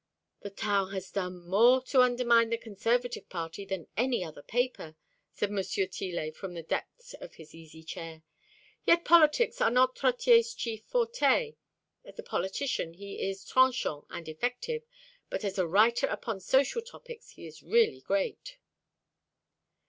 The Taon has done more to undermine the Conservative party than any other paper," said M. Tillet from the depths of his easy chair. "Yet politics are not Trottier's chief forte. As a politician he is trenchant and effective, but as a writer upon social topics he is really great."